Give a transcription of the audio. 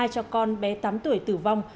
hai cho con bé tám tuổi tử vong